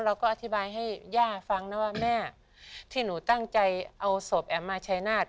เราก็อธิบายให้ย่าฟังนะว่าแม่ที่หนูตั้งใจเอาศพแอ๋มมาชายนาฏ